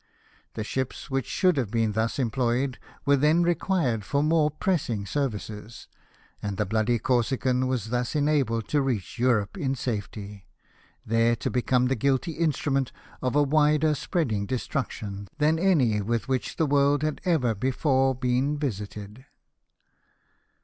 The ships which should have been thus employed were then required for more pressing RETURN TO ENGLAND. 209 services, and the bloody Corsican was thus enabled to reach Europe in safety — there to become the guilty instrument of a wider spreading destruction than any with which the world had ever before been visited.